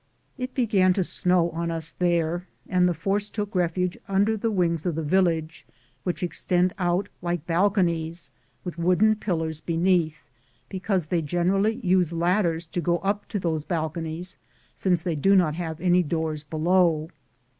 It began to snow on us there, and the force took refuge under the wings of the village, which extend out like balconies, with wooden pillars beneath, because they generally use ladders to go up to those bal conies, since they do not have any doors below.